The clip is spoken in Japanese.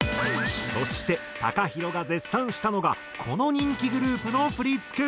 そしてＴＡＫＡＨＩＲＯが絶賛したのがこの人気グループの振り付け。